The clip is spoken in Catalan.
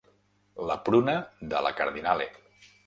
La pruna de la Cardinale.